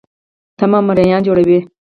تمه مریان جوړوي.